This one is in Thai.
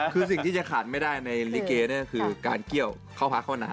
คือสิ่งที่จะขาดไม่ได้ในลิเกเนี่ยก็คือการเกี้ยวเข้าพักเข้าหนา